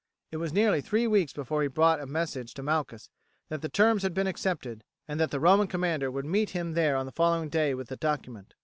It was nearly three weeks before he brought a message to Malchus that the terms had been accepted, and that the Roman commander would meet him there on the following day with the document.